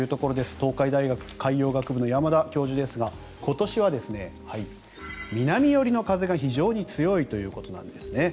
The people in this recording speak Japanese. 東海大学海洋学部の山田教授ですが今年は南寄りの風が非常に強いということなんですね。